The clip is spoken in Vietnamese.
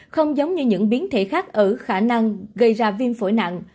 không giống như những biến thể khác ở khả năng gây ra viêm phổi nặng